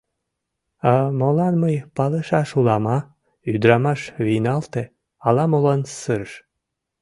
А молан мый палышаш улам, а? — ӱдырамаш вийналте, ала-молан сырыш.